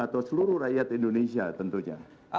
atau seluruh rakyat indonesia tentunya